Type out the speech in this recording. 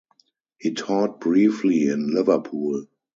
He taught briefly in Liverpool.